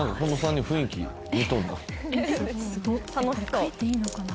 これ書いていいのかな？